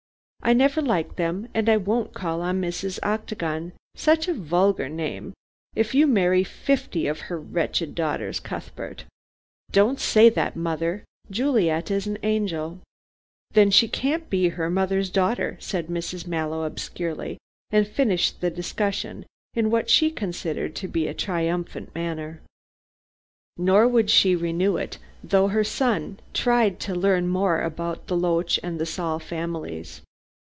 I never liked them, and I won't call on Mrs. Octagon such a vulgar name if you marry fifty of her wretched daughters, Cuthbert." "Don't say that, mother. Juliet is an angel!" "Then she can't be her mother's daughter," said Mrs. Mallow obscurely, and finished the discussion in what she considered to be a triumphant manner. Nor would she renew it, though her son tried to learn more about the Loach and Saul families.